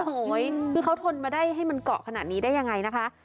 โอ้โหคือเขาทนมาได้ให้มันเกาะขนาดนี้ได้ยังไงนะคะ